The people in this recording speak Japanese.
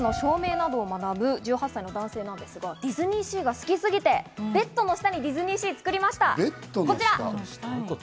ライブの照明などを学ぶ１８歳の男性の方、ディズニーシーが好きすぎてベッドの下にディズニーシー作りました、こちら！